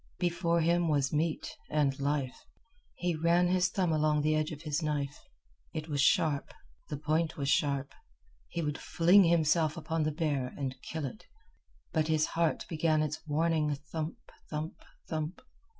Before him was meat and life. He ran his thumb along the edge of his knife. It was sharp. The point was sharp. He would fling himself upon the bear and kill it. But his heart began its warning thump, thump, thump.